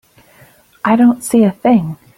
I don't see a thing.